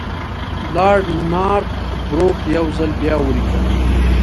لارډ نارت بروک یو ځل بیا ولیکل.